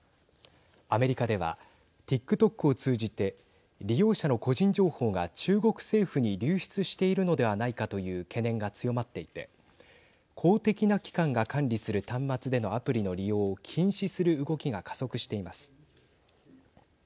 アメリカではＴｉｋＴｏｋを通じて利用者の個人情報が中国政府に流出しているのではないかという懸念が強まっていて公的な機関が管理する端末でのアプリの利用を禁止する動きが加速しています。